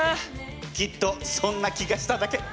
きっとそんな気がしただけ。